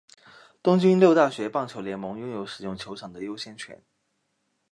东京六大学棒球联盟拥有使用球场的优先权。